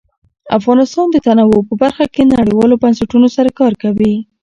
افغانستان د تنوع په برخه کې نړیوالو بنسټونو سره کار کوي.